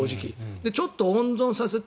ちょっと温存させて。